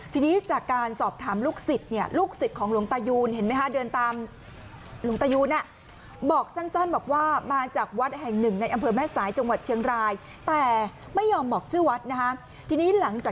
ทีนี้จากการสอบถามลูกศิษย์ลูกศิษย์หากอยากไปเดินเข้า